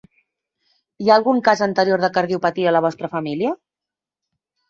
Hi ha algun cas anterior de cardiopatia a la vostra família?